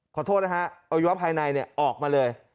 ขอโทษครับอายุภายในออกมาเลย